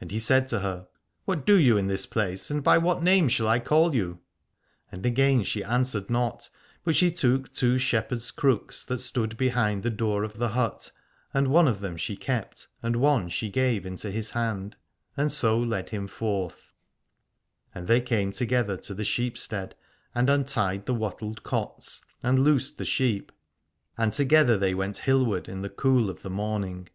And he said to her : What do you in this place, and by what name shall I call you ? And again she answered not, but she took two shepherd's crooks that stood be hind the door of the hut, and one of them she kept and one she gave into his hand, and so led him forth. And they came together to the sheepstead and untied the wattled cotes, and loosed the sheep : and together they went hillward in the cool of the morning.